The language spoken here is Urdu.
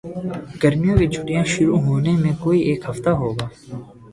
گرمیوں کی چھٹیاں شروع ہونے میں کوئی ایک ہفتہ ہو گا